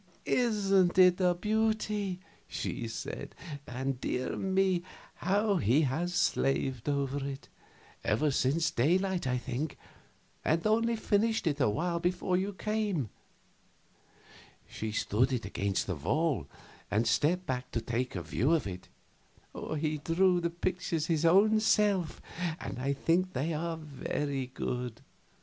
"Isn't it a beauty?" she said. "And, dear me, how he has slaved over it ever since daylight, I think, and only finished it awhile before you came." She stood it against the wall, and stepped back to take a view of it. "He drew the pictures his own self, and I think they are very good.